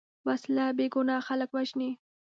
وسله بېګناه خلک وژني